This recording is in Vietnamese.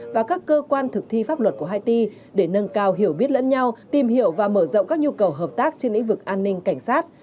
và các cơ quan thực thi pháp luật của haiti để nâng cao hiểu biết lẫn nhau tìm hiểu và mở rộng các nhu cầu hợp tác trên lĩnh vực an ninh cảnh sát